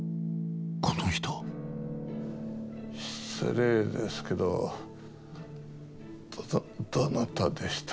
この人失礼ですけどどなたでしたっけ？